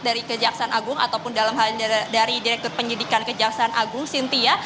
dari kejaksaan agung ataupun dalam hal dari direktur penyidikan kejaksaan agung sintia